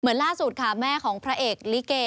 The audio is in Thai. ล่าสุดค่ะแม่ของพระเอกลิเก